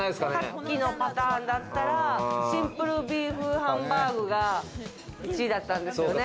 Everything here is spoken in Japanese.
先のパターンだったら、シンプルＢＥＥＦハンバーグが１位だったんですよね。